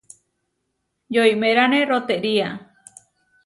Yoimeráne rotería.